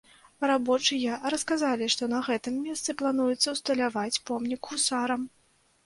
Рабочыя расказалі, што на гэтым месцы плануецца ўсталяваць помнік гусарам.